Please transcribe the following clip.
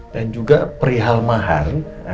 dan juga perihal mahar